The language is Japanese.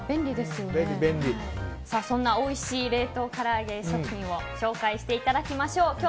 そんな、おいしい冷凍から揚げ商品を紹介していただきましょう。